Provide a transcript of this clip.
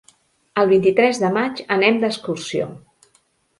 El vint-i-tres de maig anem d'excursió.